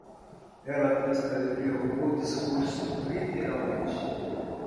Ela transcreveu o discurso, literalmente